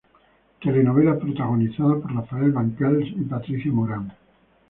Telenovela protagonizada por Rafael Banquells y Patricia Morán.